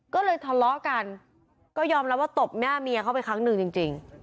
ก็เลยทะเลาะกันก็ยอมรับว่าตบหน้าเมียเข้าไปครั้งหนึ่งจริง